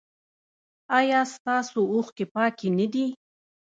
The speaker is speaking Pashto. ایا ستاسو اوښکې پاکې نه دي؟